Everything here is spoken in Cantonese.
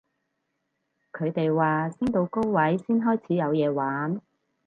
佢哋話升到高位先開始有嘢玩